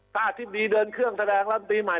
ถ้าอธิบดีเดินเครื่องแสดงลำตีใหม่